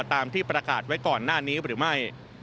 ตามที่ประกาศไว้ก่อนหน้านี้หรือไม่